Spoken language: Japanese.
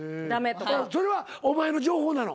それはお前の情報なの？